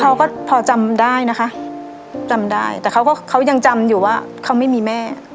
เขาก็พอจำได้นะคะจำได้แต่เขาก็เขายังจำอยู่ว่าเขาไม่มีแม่